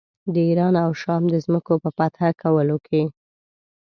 د ایران او شام د ځمکو په فتح کولو کې.